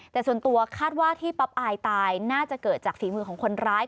แต่ส่วนตัวคาดว่าที่ปั๊บอายตายน่าจะเกิดจากฝีมือของคนร้าย